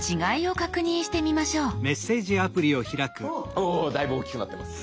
おだいぶおっきくなってます。